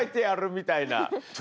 みたいな。